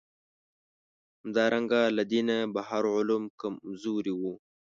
همدارنګه له دینه بهر علوم کمزوري وو.